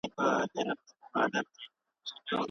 که هوا توده وي نو د خلګو خوی به هم توپير ولري.